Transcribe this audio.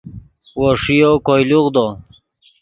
وو ݰیو کوئے لوغدو